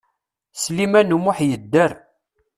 Sliman U Muḥ yedder.